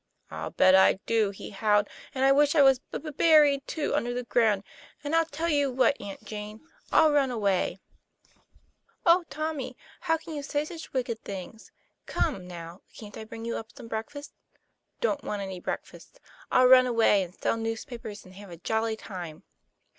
"I'll bet I do," he howled. "And I wish I was b b buried too under the ground. And I'll tell you what, Aunt Jane, I'll run away." 2 1 8 TOM PLA YFAIR. 11 Oh, Tommy, how can you say such wicked things ? Come, now, can't I bring you up some breakfast?" 'Don't want any breakfast. I'll runaway, and sell newspapers, and have a jolly time."